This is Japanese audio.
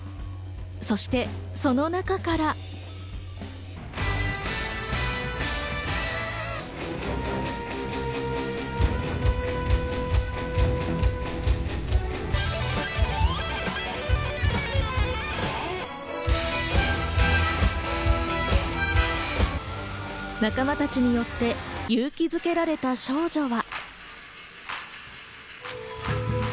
そして、その中から仲間たちによって勇気付けられた少女は。